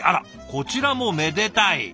こちらもめでたい。